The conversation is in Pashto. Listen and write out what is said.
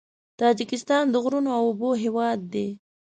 تاجکستان د غرونو او اوبو هېواد دی.